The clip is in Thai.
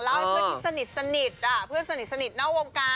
ให้เพื่อนที่สนิทเพื่อนสนิทนอกวงการ